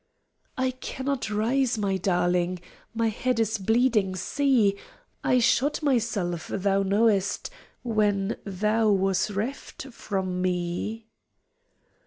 "I cannot rise, my darling, My head is bleeding see! I shot myself, thou knowest, When thou wast reft from me."